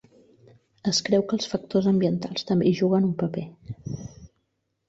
Es creu que els factors ambientals també hi juguen un paper.